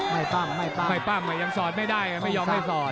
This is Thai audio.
ปั้มไม่ปั้มไม่ปั้มยังสอดไม่ได้ไม่ยอมให้สอด